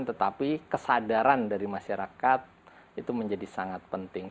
tetapi kesadaran dari masyarakat itu menjadi sangat penting